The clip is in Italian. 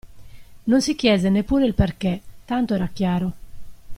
Non si chiese neppure il perché, tanto era chiaro.